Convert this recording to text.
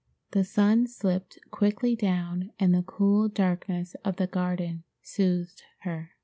The sun slipped quickly down, and the cool darkness of the garden soothed her.